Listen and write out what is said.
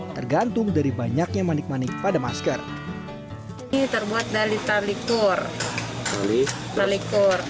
tergantung dari banyaknya manik manik pada masker ini terbuat dari tali kur lalikur